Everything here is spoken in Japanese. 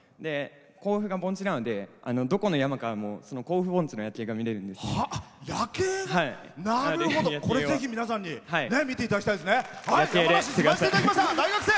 甲府が盆地なのでどこの山からも甲府盆地の夜景がぜひ、皆さんに見ていただきたいですね！